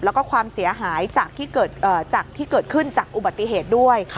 แล้วก็ความเสียหายจากที่เกิดขึ้นจากอุบัติเหตุด้วย